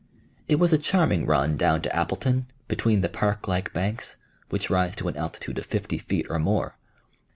It was a charming run down to Appleton, between the park like banks, which rise to an altitude of fifty feet or more.